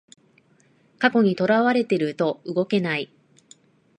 過去にとらわれてると動けない